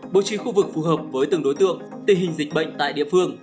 bộ trí khu vực phù hợp với từng đối tượng tình hình dịch bệnh tại địa phương